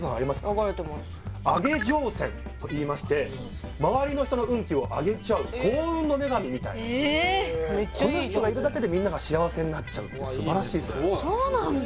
分かれてますアゲ嬢線といいまして周りの人の運気を上げちゃう幸運の女神みたいなこの人がいるだけでみんなが幸せになっちゃうっていう素晴らしい線そうなんだ